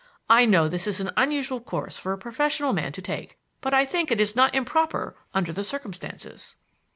I know this is an unusual course for a professional man to take, but I think it is not improper under the circumstances."